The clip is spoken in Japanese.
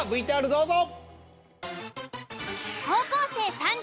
ＶＴＲどうぞ！